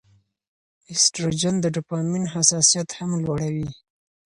ایسټروجن د ډوپامین حساسیت هم لوړوي.